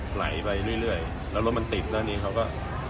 ไหลไปเรื่อยเรื่อยแล้วรถมันติดแล้วอันนี้เขาก็